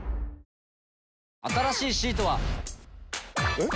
えっ？